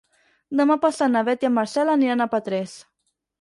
Demà passat na Beth i en Marcel aniran a Petrés.